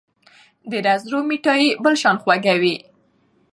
د رځړو مټايي بل شان خوږه وي